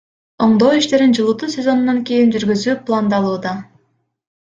Оңдоо иштерин жылытуу сезонунан кийин жүргүзүү пландалууда.